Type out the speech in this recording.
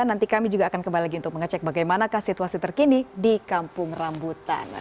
nanti kami juga akan kembali lagi untuk mengecek bagaimana situasi terkini di kampung rambutan